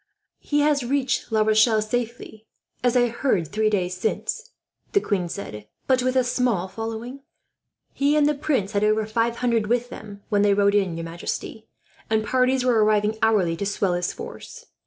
"He has reached La Rochelle safely, as I heard three days since," the queen said, "with but a small following?" "He and the prince had over five hundred with them, when they rode in, your majesty; and parties were arriving, hourly, to swell his force.